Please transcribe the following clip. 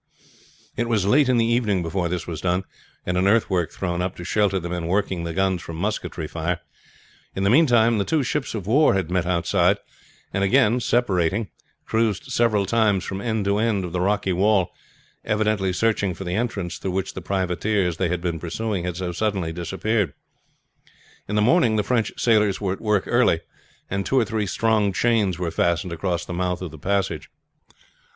It was late in the evening before this was finished, and an earthwork thrown up to shelter the men working the guns from musketry fire. In the meantime the two ships of war had met outside, and again separating cruised several times from end to end of the rocky wall, evidently searching for the entrance through which the privateers they had been pursuing had so suddenly disappeared. In the morning the French sailors were at work early, and two or three strong chains were fastened across the mouth of the passage.